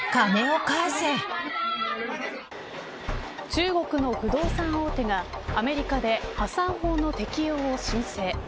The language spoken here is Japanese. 中国の不動産大手がアメリカで破産法の適用を申請。